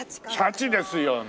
シャチですよねえ。